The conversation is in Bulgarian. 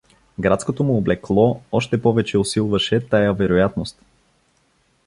Градското му облекло още повече усилваше тая вероятност.